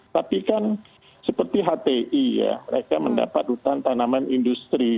tapi kan seperti hti ya mereka mendapat hutan tanaman industri